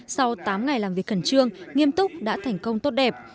sau tám ngày làm việc khẩn trương nghiêm túc đã thành công tốt đẹp